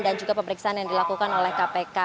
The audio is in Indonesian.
dan juga pemeriksaan yang dilakukan oleh kpk